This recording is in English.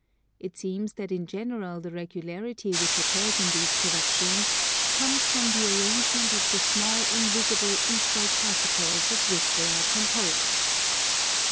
It seems that in general the regularity which occurs in these productions comes from the arrangement of the small invisible equal particles of which they are composed.